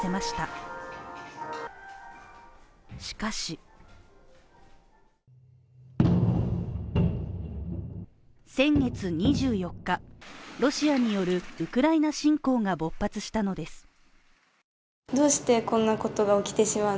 しかし先月２４日、ロシアによるウクライナ侵攻が勃発したのです。